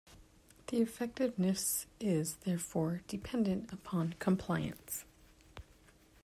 The effectiveness is, therefore, dependent upon compliance.